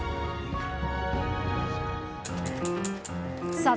さあ